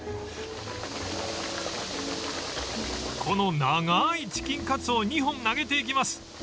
［この長いチキンカツを２本揚げていきます］